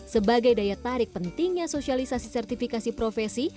sebagai daya tarik pentingnya sosialisasi sertifikasi profesi